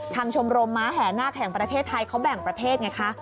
ชมรมม้าแห่นาคแห่งประเทศไทยเขาแบ่งประเภทไงคะ